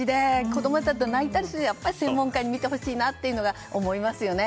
子供は泣いたりするので専門家に診てほしいなと思いますよね。